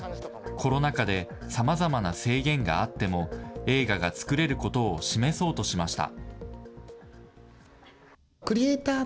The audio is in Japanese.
コロナ禍で、さまざまな制限があっても、映画が作れることを示そうとしました。